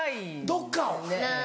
どっかを。